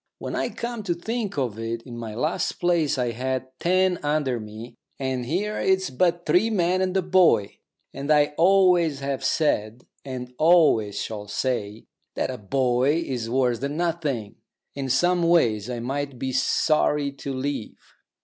When I come to think of it, in my last place I had ten under me, and here it's but three men and a boy, and I always have said and always shall say that a boy is worse than nothing. In some ways I might be sorry to leave.